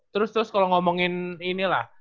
terus terus kalo ngomongin ini lah